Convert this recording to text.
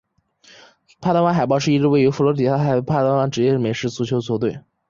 坦帕湾海盗是一支位于佛罗里达州的坦帕湾职业美式足球球队。